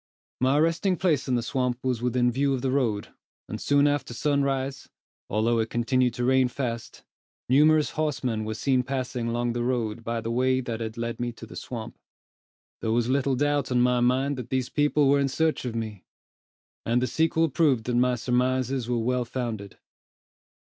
My resting place in the swamp was within view of the road; and, soon after sunrise, although it continued to rain fast, numerous horsemen were seen passing along the road by the way that had led me to the swamp. There was little doubt on my mind that these people were in search of me, and the sequel proved that my surmises were well founded.